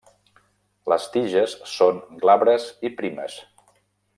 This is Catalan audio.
Les tiges són glabres i primes.